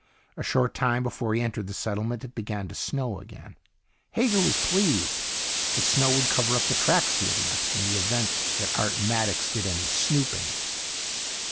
A short time before he entered the settlement it began to snow again. Hager was pleased. The snow would cover up the tracks he had left in the event that Art Maddox did any snooping.